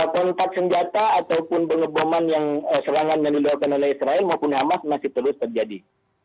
kontak senjata ataupun pengeboman yang serangan yang dilakukan oleh israel maupun hamas masih terus terjadi